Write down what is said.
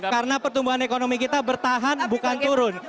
karena pertumbuhan ekonomi kita bertahan bukan turun